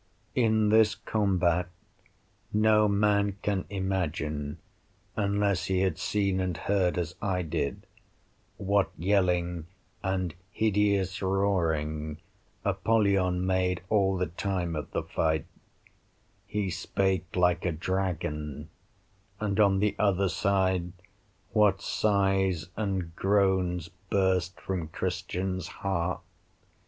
In this combat no man can imagine, unless he had seen and heard as I did, what yelling and hideous roaring Apollyon made all the time of the fight; he spake like a dragon; and on the other side, what sighs and groans burst from Christian's heart.